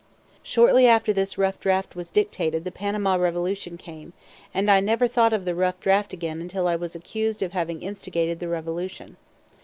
Shortly after this rough draft was dictated the Panama revolution came, and I never thought of the rough draft again until I was accused of having instigated the revolution.